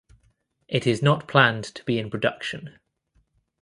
It is not planned to be in production.